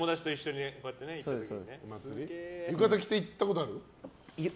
浴衣着て行ったことある？